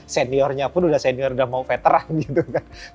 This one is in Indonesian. seniornya pun udah senior udah mau veteran gitu kan